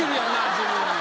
自分。